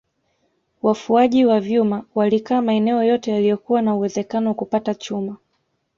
Wafuaji wa vyuma walikaa maeneo yote yaliyokuwa na uwezekano wa kupata chuma